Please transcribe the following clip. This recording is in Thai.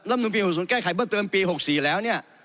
นุนปี๖๐แก้ไขเพิ่มเติมปี๖๔แล้วเนี่ย